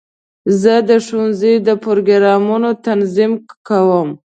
زه د ښوونځي د پروګرامونو تنظیم کوم.